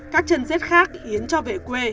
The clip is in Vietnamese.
các chân rết khác yến cho về quê